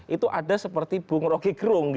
itu ada seperti bung roge krung